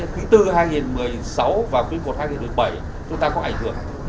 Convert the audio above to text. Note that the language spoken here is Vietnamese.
quý bốn hai nghìn một mươi sáu và quý i hai nghìn một mươi bảy chúng ta có ảnh hưởng